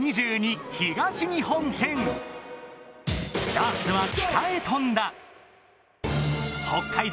ダーツは北へ飛んだ